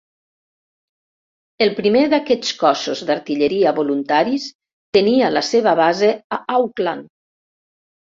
El primer d'aquests Cossos d'Artilleria Voluntaris tenia la seva base a Auckland.